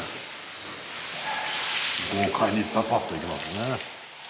豪快にザパっといきますね。